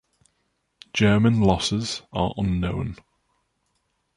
German losses are unknown.